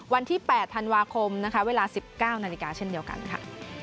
วันที่๘ธันวาคมนะคะเวลา๑๙นาฬิกาเช่นเดียวกันค่ะ